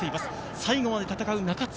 最後まで戦う中津